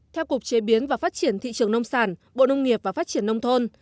theo cục chế biến và phát triển thị trường nông sản bộ nông nghiệp và phát triển nông thôn